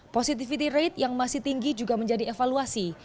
positivity rate yang masih tinggi juga menjadi evaluasi